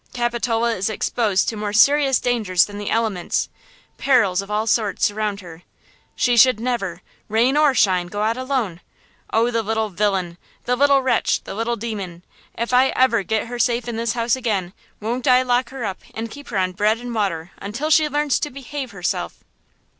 Capitola is exposed to more serious dangers than the elements! Perils of all sorts surround her! She should never, rain or shine, go out alone! Oh, the little villain! the little wretch! the little demon! if ever I get her safe in this house again, won't I lock her up and keep her on bread and water until she learns to behave herself!"